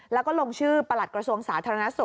แล้วก็ลงชื่อประหลัดกระทรวงสาธารณสุข